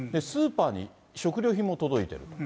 スーパーに食料品も届いてる。